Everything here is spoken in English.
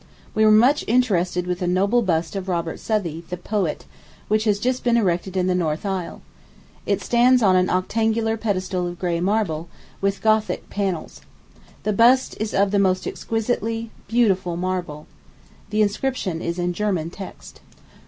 We were much interested with a noble bust of Robert Southey, the poet, which has just been erected in the north aisle. It stands on an octangular pedestal of gray marble, with Gothic panels. The bust is of the most exquisitely beautiful marble. The inscription is in German text.